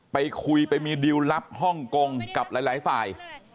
ไปคุยไปมีดิวลลับฮ่องกงกับหลายฝ่าย